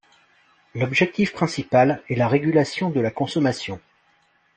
L'objectif principal est la régulation de la consommation.